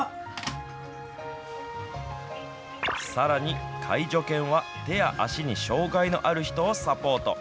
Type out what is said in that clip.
さらに、介助犬は、手や足に障害のある人をサポート。